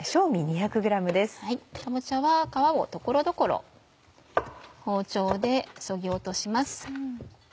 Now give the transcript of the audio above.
かぼちゃは皮を所々包丁でそぎ落とします。